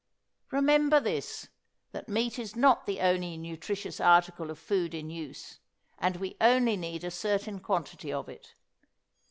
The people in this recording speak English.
Remember this, that meat is not the only nutritious article of food in use, and we only need a certain quantity of it.